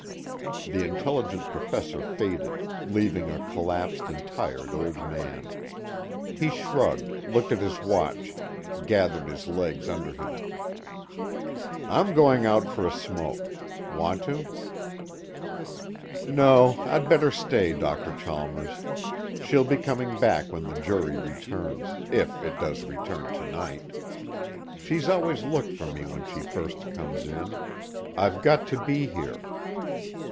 The intelligent professor faded, leaving a collapsed and tired old man. He shrugged, looked at his watch, gathered his legs under him. "I'm going out for a smoke. Want to?" "No, I'd better stay, Dr. Chalmers. She'll be coming back when the jury returns, if it does return tonight. She's always looked for me when she first comes in. I've got to be here."